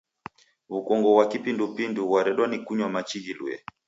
W'ukongo ghwa kipindupindu ghwaredwa ni kunywa machi ghilue.